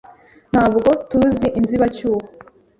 Ntabwo tuzi inzibacyuho